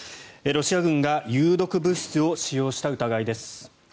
ロシア軍が有毒物質を使用した疑いです。